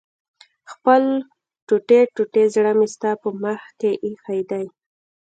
خپل ټوټې ټوټې زړه مې ستا په مخ کې ايښی دی